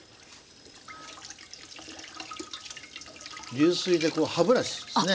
流水でこう歯ブラシですね。